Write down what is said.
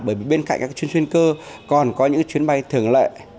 bởi vì bên cạnh các chuyến chuyên cơ còn có những chuyến bay thường lệ